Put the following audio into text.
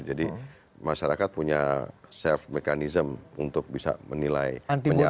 jadi masyarakat punya self mechanism untuk bisa menilai menyaring